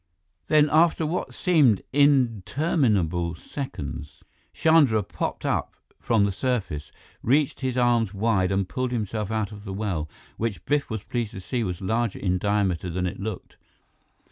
Then, after what seemed interminable seconds, Chandra popped up from the surface, reached his arms wide and pulled himself out of the well, which Biff was pleased to see was larger in diameter than it looked.